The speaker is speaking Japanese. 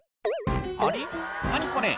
「あれ？